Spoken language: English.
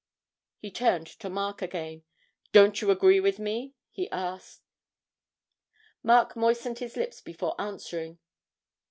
(He turned to Mark again) 'Don't you agree with me?' he asked. Mark moistened his lips before answering.